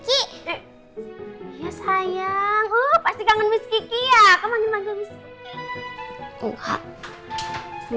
iya sayang pasti kangen miss kiki ya kau manggil manggil miss kiki